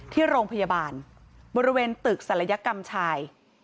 ที่โรงพยาบาลบริเวณตึกศัลยกรรมชาย